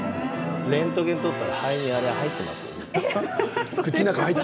レントゲンを撮ったら肺に入っちゃいますよ。